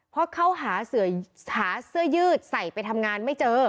เพราะเขาหาเสื้อยืดใส่ไปทำงานไม่เจอ